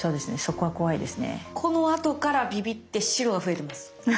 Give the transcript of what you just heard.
このあとからビビって白が増えてます。